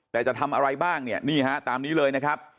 แต่จะทำอะไรบ้างเนี่ยนี่ฮะตามนี้เลยนะครับ